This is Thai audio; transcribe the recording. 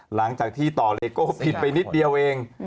หลังจากที่ต่อเลโก้ผิดไปนิดเดียวเอง